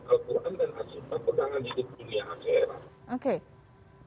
al quran dan as sunnah pegangan hidup dunia akhirat